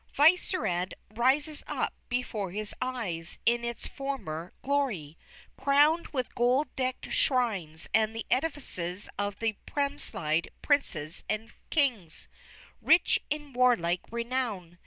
"Vysehrad rises up before his eyes in its former glory, crowned with gold decked shrines and the edifices of the Premslide princes and kings, rich in warlike renown.